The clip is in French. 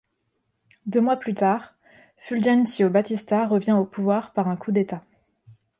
Deux mois plus tard, Fulgencio Batista revient au pouvoir par un coup d'État.